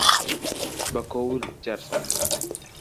Bakovul jar soldi: